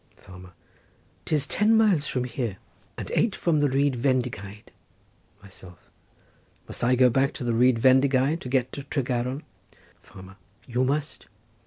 Farmer.—'Tis ten miles from here, and eight from the Rhyd Fendigaid. Myself.—Must I go back to Rhyd Fendigaid to get to Tregaron? Farmer.—You must.